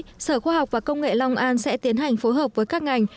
từ thời gian tới sở khoa học và công nghệ long an sẽ tiến hành phối hợp với các ngành